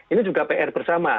ini juga pr bersama